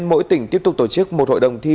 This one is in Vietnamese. mỗi tỉnh tiếp tục tổ chức một hội đồng thi